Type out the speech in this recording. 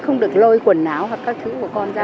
không được lôi quần áo hoặc các thứ của con ra